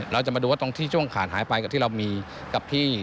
เราจะมาดูว่าตรงที่ช่วงขาดหายไปกับที่เรามีกับที่